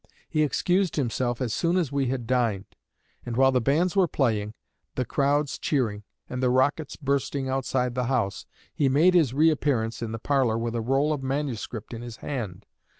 He excused himself as soon as we had dined, and while the bands were playing, the crowds cheering and the rockets bursting outside the house, he made his reappearance in the parlor with a roll of manuscript in his hand.